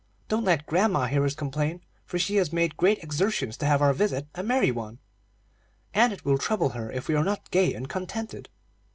Don't let grandma hear us complain, for she has made great exertions to have our visit a merry one, and it will trouble her if we are not gay and contented."